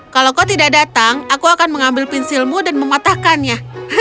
kalau kau tidak datang aku akan mengambil pensilmu dan mematahkannya